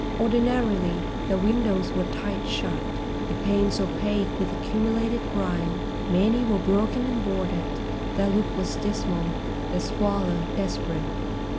Ordinarily, their windows were tight shut, the panes opaque with accumulated grime—many were broken and boarded. Their look was dismal, their squalor desperate.